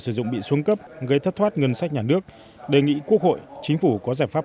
sử dụng bị xuống cấp gây thất thoát ngân sách nhà nước đề nghị quốc hội chính phủ có giải pháp